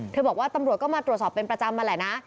บอกว่าตำรวจก็มาตรวจสอบเป็นประจำมาแหละนะ